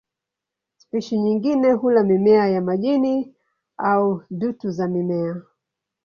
Spishi nyingine hula mimea ya majini au dutu za mimea.